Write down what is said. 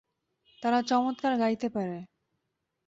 তারা চমৎকার গাইতে পারে।